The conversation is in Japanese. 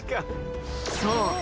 そう！